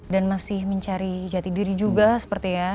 dan masih mencari jati diri juga seperti ya